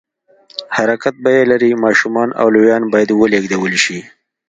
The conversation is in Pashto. حرکت بیه لري، ماشومان او لویان باید ولېږدول شي.